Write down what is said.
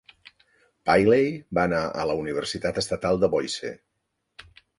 Bailey va anar a la Universitat Estatal de Boise.